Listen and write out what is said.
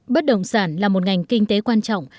bất động sản là một ngành kinh tế quan trọng